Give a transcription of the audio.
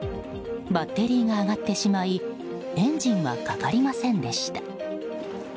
バッテリーが上がってしまいエンジンはかかりませんでした。